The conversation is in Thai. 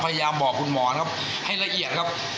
พยายามบอกคุณหมอนะครับให้ละเอียดครับ